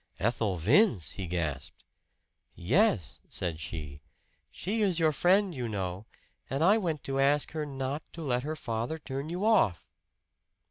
"Ethel Vince!" he gasped. "Yes," said she. "She is your friend, you know; and I went to ask her not to let her father turn you off."